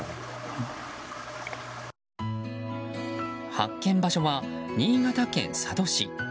発見場所は新潟県佐渡市。